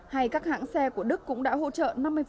hay các hãng xe của đức cũng đã hỗ trợ